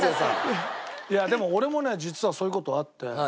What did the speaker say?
いやでも俺もね実はそういう事あって。